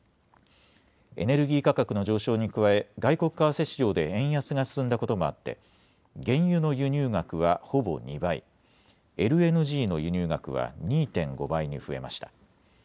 エネルギー価格の上昇に加え外国為替市場で円安が進んだこともあって原油の輸入額はほぼ２倍、ＬＮＧの輸入額は２．５倍に増えました。